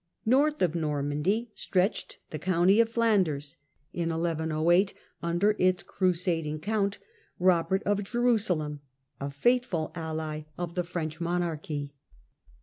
North of Normandy stretched the county of Flan Flanders ders, in 1108, under its crusading Count, Eobert of Jerusalem, a faithful ally of the French monarchy.